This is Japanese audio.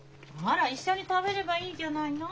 あら一緒に食べればいいじゃないの。